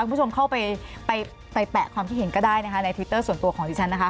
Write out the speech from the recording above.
คุณผู้ชมเข้าไปไปแปะความคิดเห็นก็ได้นะคะในทวิตเตอร์ส่วนตัวของดิฉันนะคะ